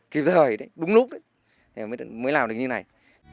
kịp thời đúng lúc mới làm được như thế này